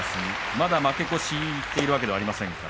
まだ負け越しているわけではありません。